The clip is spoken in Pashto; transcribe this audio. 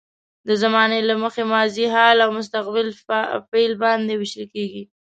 د زمانې له مخې ماضي، حال او مستقبل فعل باندې ویشل کیږي.